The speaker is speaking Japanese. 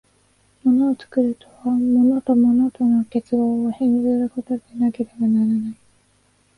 物を作るとは、物と物との結合を変ずることでなければならない。